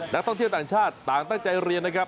นักท่องเที่ยวต่างชาติต่างตั้งใจเรียนนะครับ